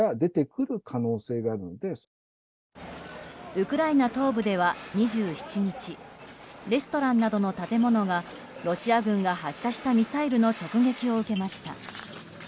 ウクライナ東部では２７日レストランなどの建物がロシア軍が発射したミサイルの直撃を受けました。